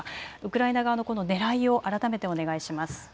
ウクライナ側のねらいを改めてお願いします。